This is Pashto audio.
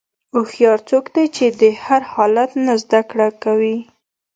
هوښیار څوک دی چې د هر حالت نه زدهکړه کوي.